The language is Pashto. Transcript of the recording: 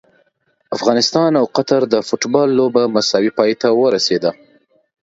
افغانستان او قطر د فوټبال لوبه مساوي پای ته ورسیده!